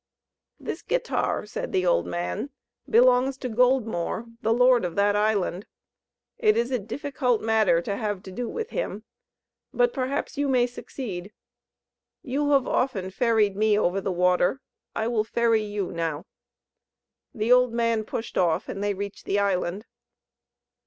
"This guitar," said the old man, "belongs to Goldmore, the lord of that island. It is a difficult matter to have to do with him; but perhaps you may succeed. You have often ferried me over the water; I will ferry you now." The old man pushed off, and they reached the island.